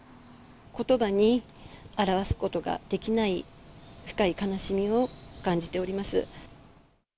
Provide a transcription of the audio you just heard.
ことばに表すことができない深い悲しみを感じております。